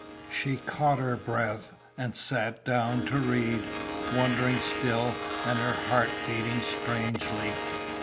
She caught her breath, and sat down to read, wondering still and her heart beating strangely.